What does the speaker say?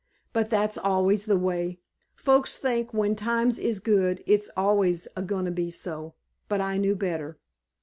But that's always the way. Folks think when times is good it's always a goin' to be so, but I knew better."